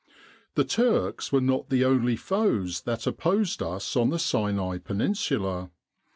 The Turks were not the only foes that opposed us on the Sinai Peninsula.